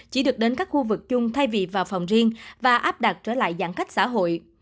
chỉ được đến các khu vực chung thay vì vào phòng riêng và áp đặt trở lại giãn cách xã hội